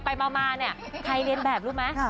ไปมาใครเล่นแบบรู้ไหม